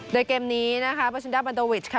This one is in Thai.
โดยเกมนี้นะคะปาซินดาบันโดวิชค่ะ